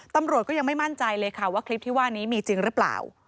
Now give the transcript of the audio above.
ตำรวจก็ยังไม่มั่นใจเลยค่ะว่าคลิปที่ว่านี้มีจริงหรือเปล่า